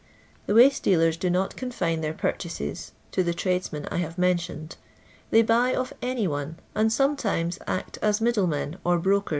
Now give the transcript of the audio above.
The waste dealers do not confine their purchases to ihe tradesmen I have mentioned. They buy of any one, and lemeUmes act as middlemen or broken.